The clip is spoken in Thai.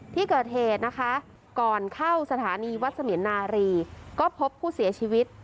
ที่เกิดเหตุนะคะก่อนเข้าสถานีวัดเสมียนารีก็พบผู้เสียชีวิต